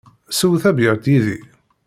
Sew tabyirt yid-i!